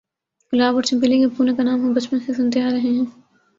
گلاب اور چنبیلی کے پھولوں کا نام ہم بچپن سے سنتے آ رہے ہیں۔